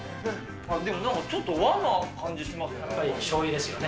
でもなんかちょっと和な感じしますね。